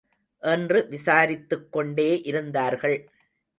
என்று விசாரித்துக் கொண்டே இருந்தார்கள்.